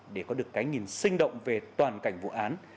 để có được cái nhìn sinh động về toàn cảnh vụ án